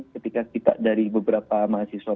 ketika kita dari beberapa mahasiswa